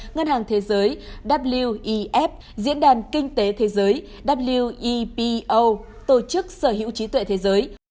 ngân hàng thế giới wef diễn đàn kinh tế thế giới wepo tổ chức sở hữu trí tuệ thế giới